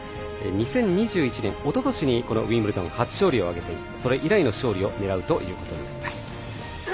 ２０２１年、おととしにこのウィンブルドン初勝利を挙げそれ以来の勝利を狙います。